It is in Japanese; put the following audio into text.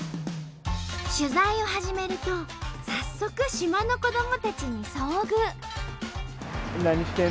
取材を始めると早速島の子どもたちに遭遇。